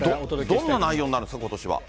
どんな内容になるんですか、ことしは。